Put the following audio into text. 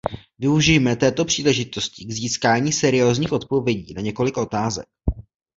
Využijme této příležitosti k získání seriózních odpovědí na několik otázek.